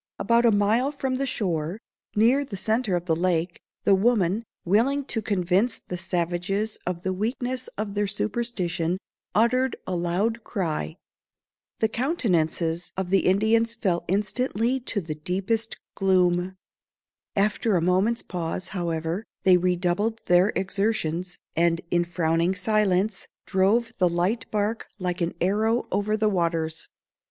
About a mile from the shore, near the centre of the lake, the woman, willing to convince the savages of the weakness of their superstition, uttered a loud cry. The countenances of the Indians fell instantly to the deepest gloom. After a moment's pause, however, they redoubled their exertions, and, in frowning silence, drove the light bark like an arrow over the waters.